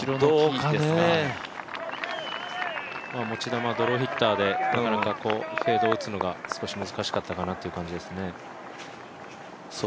持ち球ドローヒッターで、フェードを打つのは少し難しかったかなという感じですね。